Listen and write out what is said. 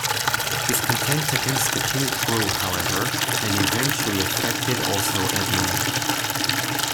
Discontent against the king grew, however, and eventually affected also Edmund.